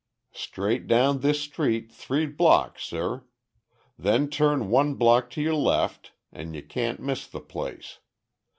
"Straight down this street three blocks, suh. Then turn one block to yo' left and yo' cain't miss the place.